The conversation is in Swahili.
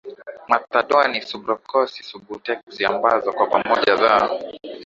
methadoni suboksoni subuteksi ambazo kwa pamoja za